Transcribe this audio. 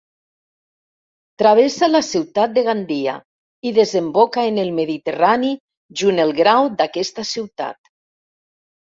Travessa la ciutat de Gandia, i desemboca en el Mediterrani junt el Grau d'aquesta ciutat.